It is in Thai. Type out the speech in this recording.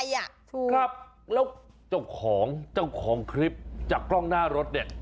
ถูกครับแล้วเจ้าของเจ้าของคลิปจากกล้องหน้ารถเนี่ย